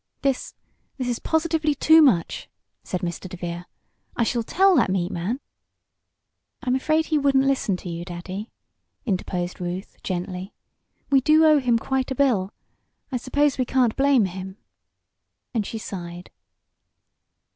"This this is positively too much!" said Mr. DeVere. "I shall tell that meat man " "I'm afraid he wouldn't listen to you, Daddy," interposed Ruth, gently. "We do owe him quite a bill. I suppose we can't blame him," and she sighed.